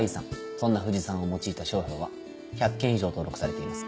そんな富士山を用いた商標は１００件以上登録されています。